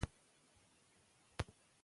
که هڅه وي نو ناکامي نه راځي.